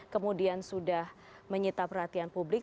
kemudian sudah menyita perhatian publik